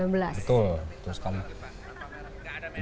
betul betul sekali